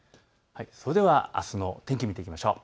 それではあすの天気、見ていきましょう。